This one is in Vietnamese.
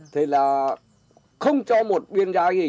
thì là không cho một biên giá gì